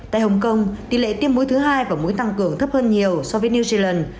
tại hồng kông tỷ lệ tiêm mũi thứ hai và mũi tăng cường thấp hơn nhiều so với new zealand